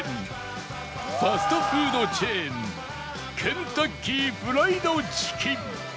ファストフードチェーンケンタッキーフライドチキン